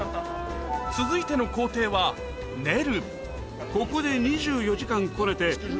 続いての工程はここで。